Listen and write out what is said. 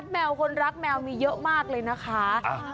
แมวคนรักแมวมีเยอะมากเลยนะคะ